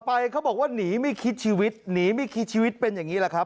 เขาบอกว่าหนีไม่คิดชีวิตหนีไม่คิดชีวิตเป็นอย่างนี้แหละครับ